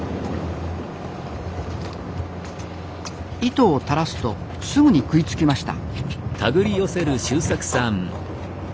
糸を垂らすとすぐに食いつきました。